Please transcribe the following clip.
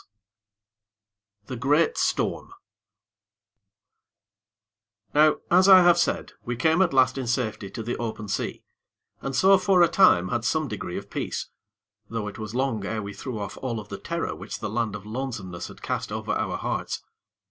V The Great Storm Now, as I have said, we came at last in safety to the open sea, and so for a time had some degree of peace; though it was long ere we threw off all of the terror which the Land of Lonesomeness had cast over our hearts.